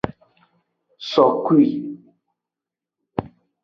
Sokui.